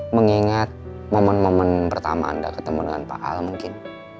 mengingat momen momen pertama anda ketemu dengan pak al mungkin